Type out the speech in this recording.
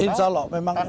insya allah memang itu